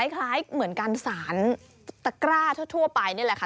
คล้ายเหมือนการสารตะกร้าทั่วไปนี่แหละค่ะ